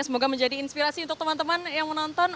semoga menjadi inspirasi untuk teman teman yang menonton